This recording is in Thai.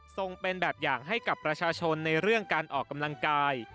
เป็นแบบอย่างให้กับประชาชนในเรื่องการออกกำลังกาย